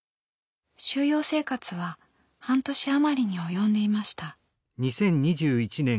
収容生活は半年余りに及んでいました。